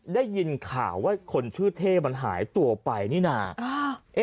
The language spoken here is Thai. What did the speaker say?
ได้ยินข่าวว่าคนชื่อเท่มันหายตัวไปนี่น่ะ